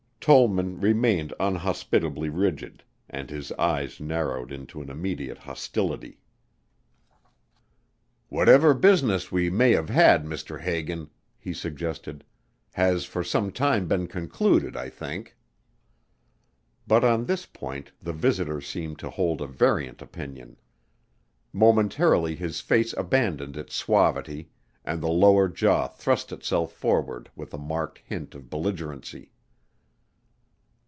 Tollman remained unhospitably rigid and his eyes narrowed into an immediate hostility. "Whatever business we may have had, Mr. Hagan," he suggested, "has for some time been concluded, I think." But on this point the visitor seemed to hold a variant opinion. Momentarily his face abandoned its suavity and the lower jaw thrust itself forward with a marked hint of belligerency.